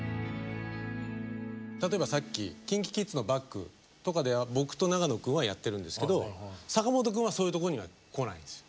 例えばさっきＫｉｎＫｉＫｉｄｓのバックとかで僕と長野くんはやってるんですけど坂本くんはそういうとこには来ないんです。